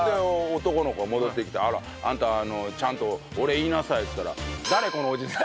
男の子が戻ってきて「あんたちゃんとお礼言いなさい」っつったら。